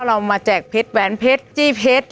เรามาแจกเพชรแหวนเพชรจี้เพชร